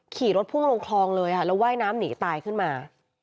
ขี่รถพุ่งลงคลองเลยค่ะแล้วว่ายน้ำหนีตายขึ้นมา